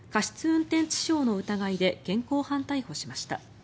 運転致傷の疑いで現行犯逮捕しました。